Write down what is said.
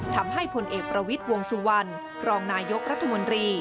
ทำให้พลเอกประวิทย์วงสุวรรณรองนายกรรธมนตรี